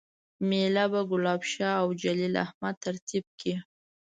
میله به ګلاب شاه اوجلیل احمد ترتیب کړي